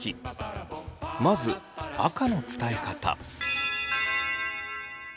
まず赤の伝え方。